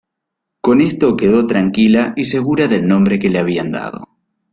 Con esto quedó tranquila y segura del nombre que le habían dado.